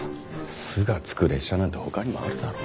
スがつく列車なんて他にもあるだろう。